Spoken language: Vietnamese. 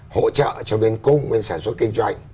hỗ trợ cho bên cung bên sản xuất kinh doanh